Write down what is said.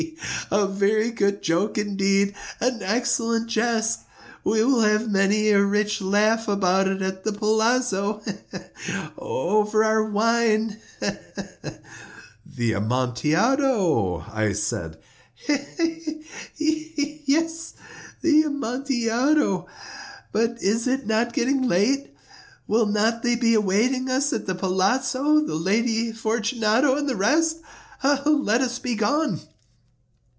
he!—a very good joke indeed—an excellent jest. We will have many a rich laugh about it at the palazzo—he! he! he!—over our wine—he! he! he!" "The Amontillado!" I said. "He! he! he!—he! he! he!—yes, the Amontillado. But is it not getting late? Will not they be awaiting us at the palazzo, the Lady Fortunato and the rest? Let us be gone."